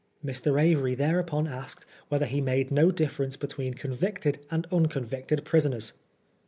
Mr. Avory there upon asked whether he made no difference between convicted and unconvicted prisoners.